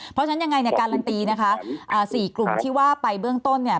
เพราะฉะนั้นยังไงเนี่ยการันตีนะคะ๔กลุ่มที่ว่าไปเบื้องต้นเนี่ย